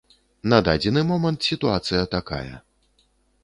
На дадзены момант сітуацыя такая.